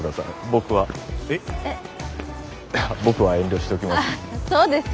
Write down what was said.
僕は遠慮しときます。